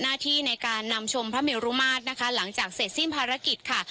หน้าที่ในการนำชมพระเมรุมาตรนะคะหลังจากเสร็จสิ้นภารกิจค่ะ